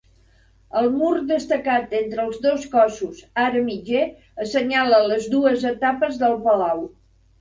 El mur destacat entre els dos cossos, ara mitger, assenyala les dues etapes del palau.